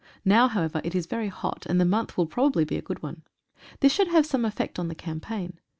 Now. however, it is very hot, and the month will probably be a good one. This should have some effect on the cam paign.